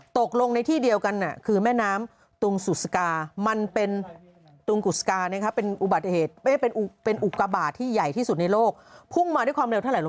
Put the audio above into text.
ตกลงในที่เดียวกันคือแม่น้ำตุงสุสกา